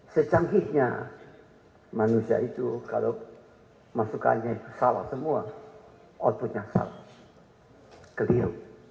secanggihnya manusia itu kalau masukannya salah semua outputnya salah keliru